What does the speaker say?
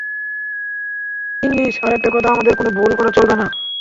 English, আর একটা কথা, আমাদের কোনো ভুল করা চলবে না।